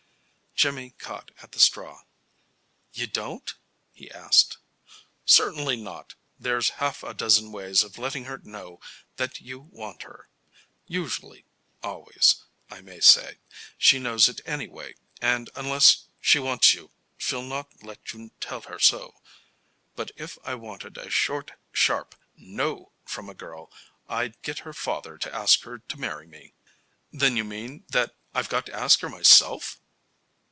Jimmy caught at the straw. "You don't?" he asked. "Certainly not. There's half a dozen ways of letting her know that you want her. Usually always, I may say she knows it anyway, and unless she wants you she'll not let you tell her so. But if I wanted a short, sharp 'No' from a girl, I'd get her father to ask her to marry me." "Then you mean that I've got to ask her myself?"